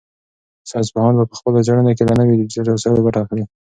ساینس پوهان په خپلو څېړنو کې له نویو ډیجیټل وسایلو ګټه اخلي.